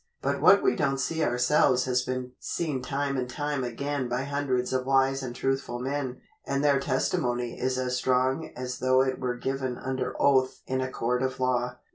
But what we don't see ourselves has been seen time and time again by hundreds of wise and truthful men, and their testimony is as strong as though it were given under oath in a court of law."